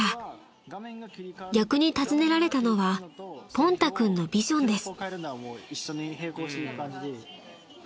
［逆に尋ねられたのはポンタ君のビジョンです］